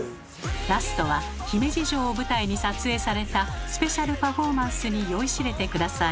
ラストは姫路城を舞台に撮影されたスペシャルパフォーマンスに酔いしれて下さい。